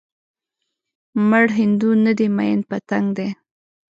مړ هندو نه دی ميئن پتنګ دی